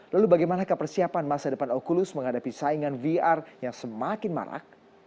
lalu bagaimana kepersiapan masa depan oculus menghadapi saingan vr yang semakin marak